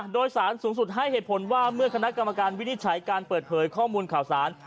โดยสารสูงสุดให้เหตุผลว่าเมื่อคณะกรรมการวินิจฉัยการเปิดเผยข้อมูลข่าวสาร